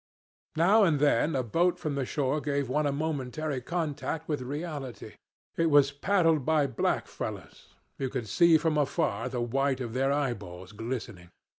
Now and then a boat from the shore gave one a momentary contact with reality. It was paddled by black fellows. You could see from afar the white of their eyeballs glistening.